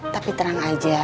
tapi terang aja